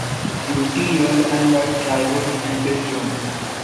Duty there and at Drywood until June.